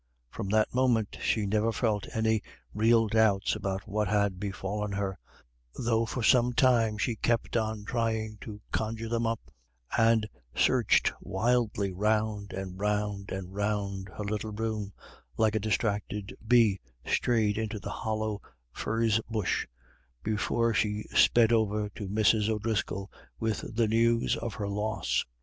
From that moment she never felt any real doubts about what had befallen her, though for some time she kept on trying to conjure them up, and searched wildly round and round and round her little room, like a distracted bee strayed into the hollow furze bush, before she sped over to Mrs. O'Driscoll with the news of her loss.